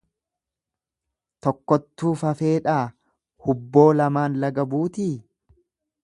Tokkottuu fafeedhaa hubboo lamaan laga buutii.